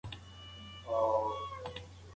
تر جګو غرو مې اړوي ژړا راځينه